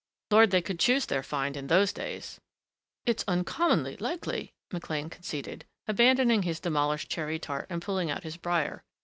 Lord, they could choose their find in those days!" "It's uncommonly likely," McLean conceded, abandoning his demolished cherry tart and pulling out his briar.